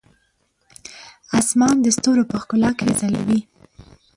اسمان د ستورو په ښکلا کې ځلوي.